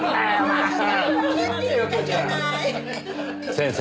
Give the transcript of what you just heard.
先生。